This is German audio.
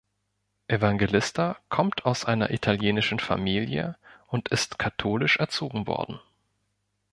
Evangelista kommt aus einer italienischen Familie und ist katholisch erzogen worden.